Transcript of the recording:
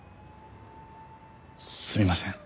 すみません。